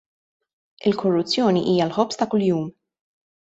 Il-korruzzjoni hija l-ħobż ta' kuljum.